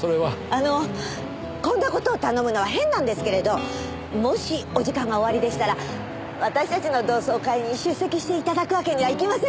あのこんな事を頼むのは変なんですけれどもしお時間がおありでしたら私たちの同窓会に出席して頂くわけにはいきませんか？